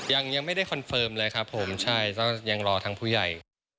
ยังไม่ได้คอนเฟิร์มเลยครับผมใช่ก็ยังรอทางผู้ใหญ่